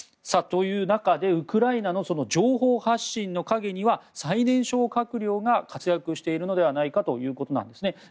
という中でウクライナの情報発信の陰には最年少閣僚が活躍しているのではないかということなんですね。